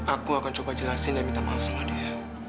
aku akan coba jelasin dan minta maaf sama dia